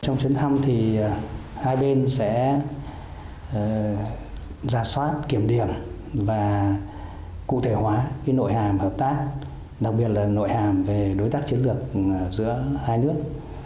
nội hàm hợp tác đặc biệt là nội hàm về đối tác chiến lược giữa hai nước